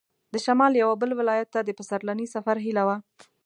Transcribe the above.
د شمال یوه بل ولایت ته د پسرلني سفر هیله وه.